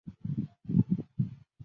位于利津县西南部。